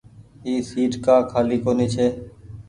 اي سيٽ ڪآ کآلي ڪونيٚ ڇي۔